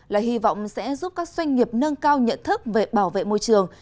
là hy vọng sẽ giúp các doanh nghiệp nâng cao nhận thức về bảo vệ môi trường